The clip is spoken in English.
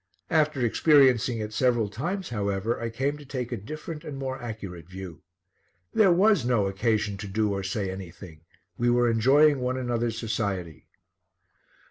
After experiencing it several times, however, I came to take a different and more accurate view. There was no occasion to do or say anything. We were enjoying one another's society.